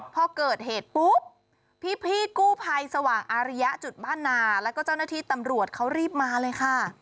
พอเกิดเหตุปุ๊บพี่กู้ภัยสว่างอาริยะจุดบ้านนาแล้วก็เจ้าหน้าที่ตำรวจเขารีบมาเลยค่ะ